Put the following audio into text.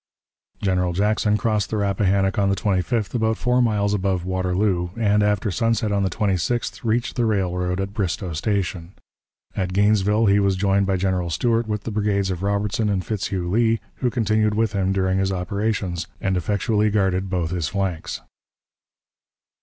General Jackson crossed the Rappahannock on the 25th, about four miles above Waterloo, and, after sunset on the 26th, reached the railroad at Bristoe Station. At Gainesville he was joined by General Stuart, with the brigades of Robertson and Fitzhugh Lee, who continued with him during his operations, and effectually guarded both his flanks.